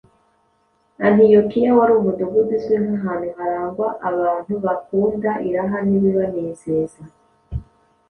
Antiyokiya wari umudugudu uzwi nk’ahantu harangwa abantu bakunda iraha n’ibibanezeza